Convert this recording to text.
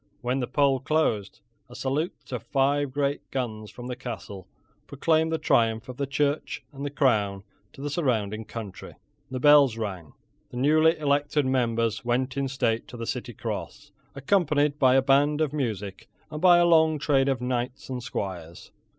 When the poll closed, a salute of five great guns from the castle proclaimed the triumph of the Church and the Crown to the surrounding country. The bells rang. The newly elected members went in state to the City Cross, accompanied by a band of music, and by a long train of knights and squires.